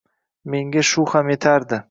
Menga shu ham yetardi.